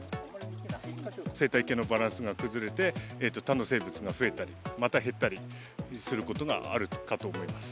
生態系のバランスが崩れて、他の生物が増えたり、また減ったりすることがあるかと思います。